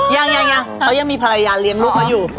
ยังเขายังมีภรรยาเลี้ยงลูกเขาอยู่